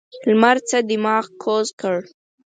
لمر څخه دماغ کوز کړ.